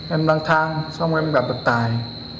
em đăng thang xong em gặp được tài